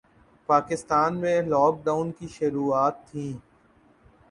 پاکستان میں lockdown کی شروعات تھیں